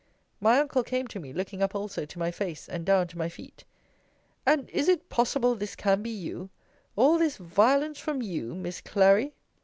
My uncle came to me, looking up also to my face, and down to my feet: and is it possible this can be you? All this violence from you, Miss Clary?